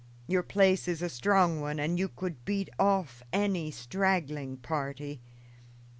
Your place is a strong one, and you could beat off any straggling party.